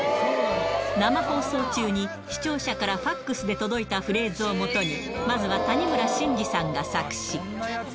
生放送中に視聴者からファックスで届いたフレーズをもとに、まずは谷村新司さんが作詞。